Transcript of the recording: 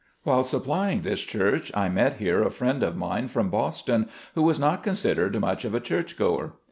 While supplying this church I met here a friend of mine from Boston, who was not considered much of a church goer.